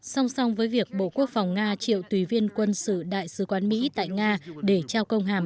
song song với việc bộ quốc phòng nga triệu tùy viên quân sự đại sứ quán mỹ tại nga để trao công hàm